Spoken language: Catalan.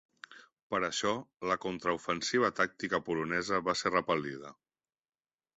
Per això, la contraofensiva tàctica polonesa va ser repel·lida.